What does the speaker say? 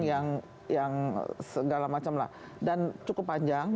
yang segala macam lah dan cukup panjang